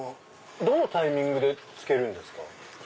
どのタイミングで漬けるんですか？